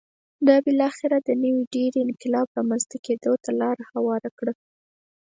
دا بالاخره د نوې ډبرې انقلاب رامنځته کېدو ته لار هواره کړه